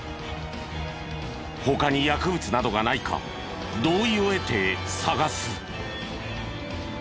他に薬物などがないか同意を得て探す。